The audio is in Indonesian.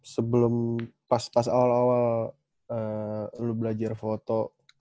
sebelum pas awal awal lu belajar foto